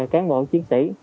cán bộ chiến sĩ